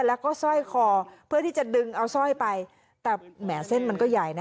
แล้วก็สร้อยคอเพื่อที่จะดึงเอาสร้อยไปแต่แหมเส้นมันก็ใหญ่นะ